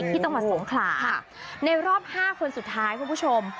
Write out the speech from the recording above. ที่ต่างประสงค์ค่ะค่ะในรอบห้าคนสุดท้ายเพื่อนผู้ชม